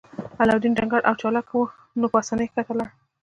علاوالدین ډنګر او چلاک و نو په اسانۍ ښکته لاړ.